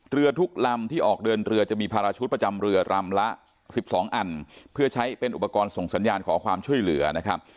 เรือทุกลำที่ออกเดินเรือจะมีภาระชุดประจำเรือลำละ๑๒อันเพื่อใช้เป็นอุปกรณ์ส่งสัญญาณขอความช่วยเหลือนะครับ